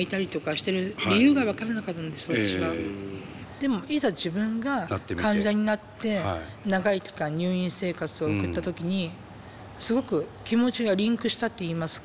でもいざ自分が患者になって長い期間入院生活を送った時にすごく気持ちがリンクしたといいますか。